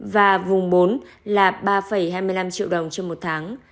và vùng bốn là ba hai mươi năm triệu đồng trên một tháng